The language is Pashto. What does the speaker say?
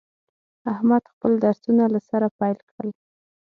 احمد خپل درسونه له سره پیل کړل.